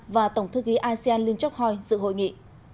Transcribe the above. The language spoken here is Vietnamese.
và tổng thư ký asean liên chốc hòi dự hội nghị